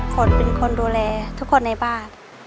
ฝนเป็นคนดูแลทุกคนในบ้าน